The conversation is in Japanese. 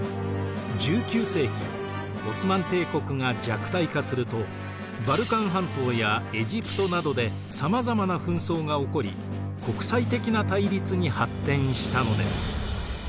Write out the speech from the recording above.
オスマン帝国が弱体化するとバルカン半島やエジプトなどでさまざまな紛争が起こり国際的な対立に発展したのです。